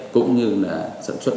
cũng như thắt chặt thêm một số giải pháp